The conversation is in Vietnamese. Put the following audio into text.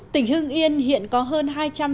tỉnh hưng yên hiện có hơn